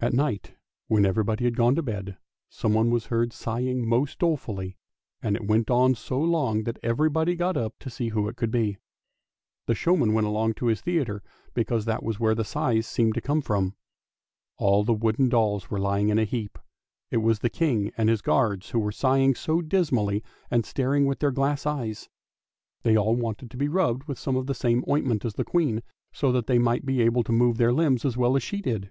At night, when everybody had gone to bed, someone was heard sighing most dolefully, and it went on so long that every body got up to see who it could be. The showman went along to his theatre, because that was where the sighs seemed to come from. All the wooden dolls were lying in a heap; it was the King and his guards who were sighing so dismally and staring with their glass eyes. They all wanted to be rubbed with some of the same ointment as the Queen, so that they might be able to move their limbs as well as she did.